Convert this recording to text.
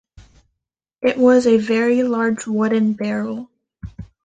It was a very large wooden barrel.